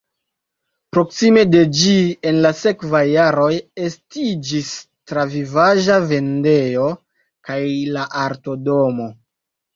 Proksime de ĝi en la sekvaj jaroj estiĝis travivaĵa vendejo kaj la Arto-domo.